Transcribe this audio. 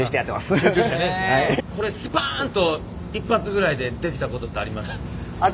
これスパンと一発ぐらいでできたことってあります？